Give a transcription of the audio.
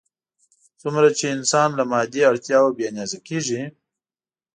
څومره چې انسان له مادي اړتیاوو بې نیازه کېږي.